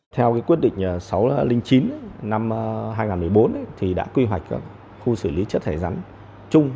theo quyết định sáu trăm linh chín năm hai nghìn một mươi bốn thì đã quy hoạch khu xử lý chất thải rắn chung